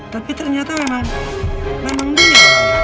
tapi ternyata memang memang dia